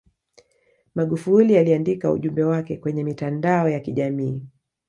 magufuli aliandike ujumbe wake kwenye mitandao ya kijamii